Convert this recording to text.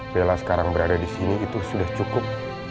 bella sekarang berada disini itu sudah cukup